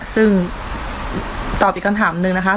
ซึ่งตอบอีกคำถามหนึ่งนะคะ